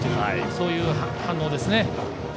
そういう反応ですね。